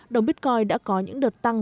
đồng bitcoin đã có những đợt tăng